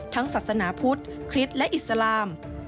ศาสนาพุทธคริสต์และอิสลาม